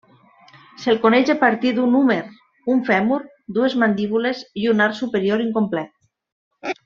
Se'l coneix a partir d'un húmer, un fèmur, dues mandíbules i un arc superior incomplet.